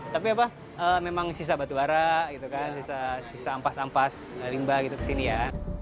tapi apa memang sisa batu bara sisa ampas ampas limbah ke sini ya